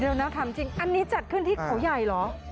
เดี๋ยวนะถามจริงอันนี้จัดขึ้นที่เขาใหญ่เหรอ